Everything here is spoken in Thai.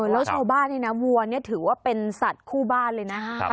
แล้วชาวบ้านนี่นะวัวนี่ถือว่าเป็นสัตว์คู่บ้านเลยนะคะ